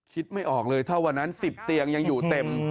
คิดไม่ออกเลยถ้าวันนั้น๑๐เตียงยังอยู่เต็ม